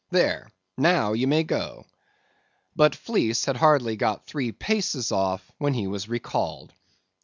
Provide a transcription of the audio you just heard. There, now ye may go." But Fleece had hardly got three paces off, when he was recalled.